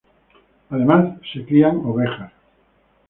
Además se crían ovejas.